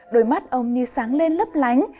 đôi mắt ông như sáng lên lấp lánh